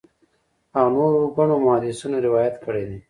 او نورو ګڼو محدِّثينو روايت کړی دی